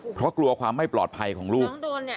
เพราะกลัวความไม่ปลอดภัยของลูก